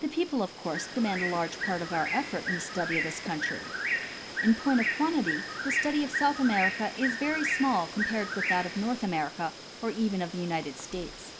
The people of course, demand a large part of our effort in the study of this countr3^ In point of quantity, the study of South America is very small compared with that of North America or even of the United States.